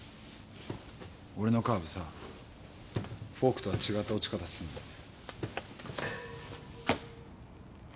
俺のカーブさフォークとは違った落ち方すんだよね。